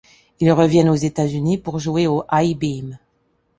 Ils reviennent aux États-Unis pour jouer au I-Beam.